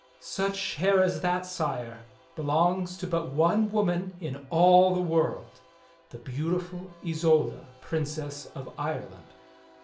"Such hair as that. Sire, belongs to but one woman in all the world — the beautiful Isolda, Princess of Ireland."